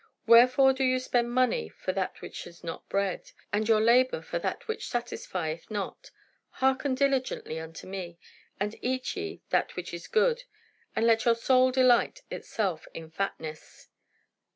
Wherefore do ye spend money for that which is not bread? and your labour for that which satisfieth not? hearken diligently unto me, and eat ye that which is good, and let your soul delight itself in fatness.'"